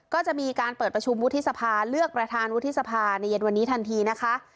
ก็จะมีการเปิดประชุมวุฒิสภาเลือกประธานวุฒิสภาในเย็นวันนี้ทันทีนะคะ